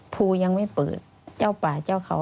ภูยังไม่เปิดเจ้าป่าเจ้าเขา